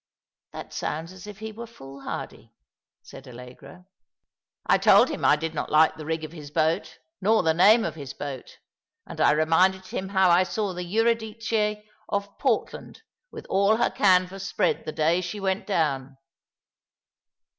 "■ That sounds as if he were foolhardy," said Allegra, " I told him I did not like the rig of his boat, nor the na me of his boat, and I reminded him how I saw the Eurydice off Portland with all her canvas spread the day she went down.